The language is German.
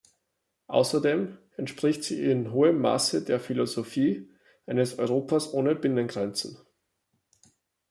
Außerdem entspricht sie in hohem Maße der Philosophie eines Europas ohne Binnengrenzen.